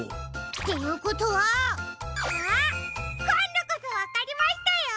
っていうことはあっこんどこそわかりましたよ！